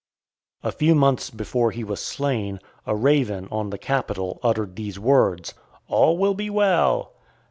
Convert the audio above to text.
A few months before he was slain, a raven on the Capitol uttered these words: "All will be well."